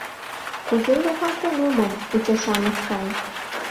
— Кузе логалтен омыл? — ӱчаша Маскаев.